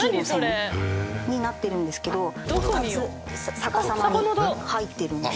２つ逆さまに入ってるんです。